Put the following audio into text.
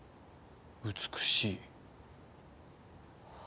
美しい。